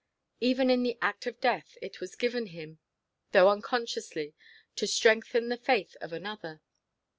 Even in the act of death it was given him, though unconsciously, to strengthen the faith of another.